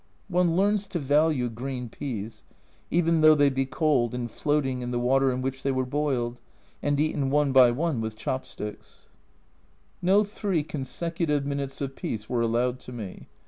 One learns to value green peas, even though they be cold and floating in the water in which they were boiled, and eaten one by one with chop sticks ! 42 A Journal from Japan No three consecutive minutes of peace were allowed to me.